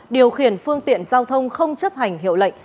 điều khiển phương tiện giao thông không chấp hành hiệu lệnh